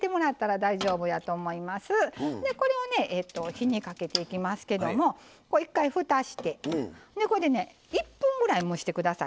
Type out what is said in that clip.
火にかけていきますけども一回ふたしてでこれでね１分ぐらい蒸して下さい。